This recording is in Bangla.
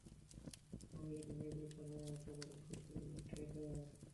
তুমি যদি নিবৃত্ত না হও, তবে অবশ্যই তুমি নির্বাসিত হবে।